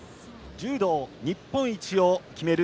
柔道日本一を決める